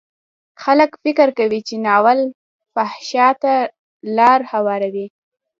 خلک فکر کوي چې ناول فحشا ته لار هواروي.